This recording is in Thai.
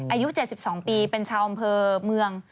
อายุ๗๒ปีเป็นชาวอำเภอเมือง